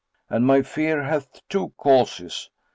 And my fear hath two causes.